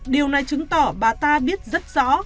điều này chứng tỏ bà ta biết rất rõ